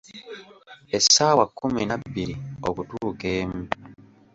Essaawa kkumi na bbiri okutuuka emu.